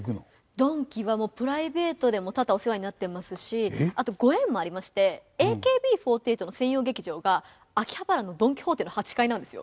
ドンキはもうプライベートでも多々お世話になってますしあとご縁もありましてＡＫＢ４８の専用劇場が秋葉原のドン・キホーテの８階なんですよ。